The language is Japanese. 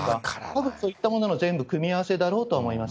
そういったものの全部組み合わせだろうと思います。